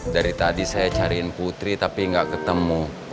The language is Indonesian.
dari tadi saya cariin putri tapi gak ketemu